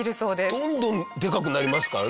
どんどんでかくなりますからね